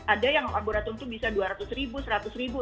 ada yang laboratorium itu bisa dua ratus ribu seratus ribu